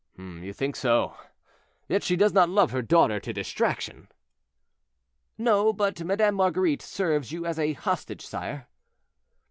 "You think so? Yet she does not love her daughter to distraction." "No; but Madame Marguerite serves you as a hostage, sire."